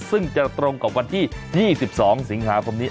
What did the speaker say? ซึ่งจะตรงกับวันที่๒๒สิงหาคมนี้